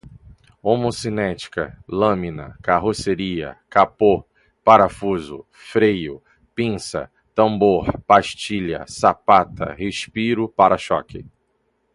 homocinética, lâmina, carroceria, capô, parafuso, freio, pinça, tambor, pastilha, sapata, respiro, pára-choque